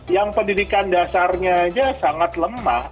yang pendidikan dasarnya aja sangat lemah